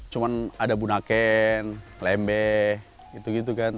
cuma ada bunaken lembeh gitu gitu kan